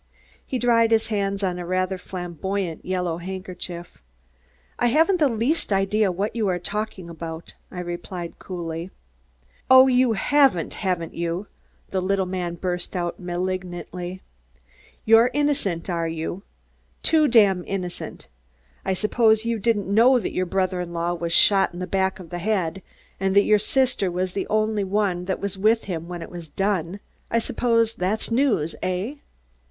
He dried his hands on a rather flamboyant, yellow handkerchief. "I haven't the least idea what you are talking about," I replied coldly. "Oh, you haven't, haven't you?" the little man burst out malignantly. "You're innocent, you are! Too damned innocent! I suppose you didn't know that your brother in law was shot in the back of the head and that your sister was the only one that was with him when it was done. I suppose that's news eh?"